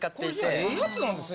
これええやつなんですね。